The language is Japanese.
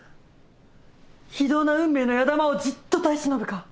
非道な運命の矢弾をじっと耐え忍ぶか。